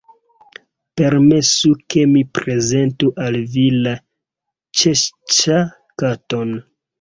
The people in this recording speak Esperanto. Permesu ke mi prezentu al vi la Ĉeŝŝa_ Katon."